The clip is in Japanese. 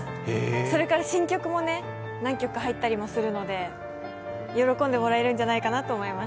それから新曲も何曲か入ったりするので、喜んでもらえるんじゃないかなと思います。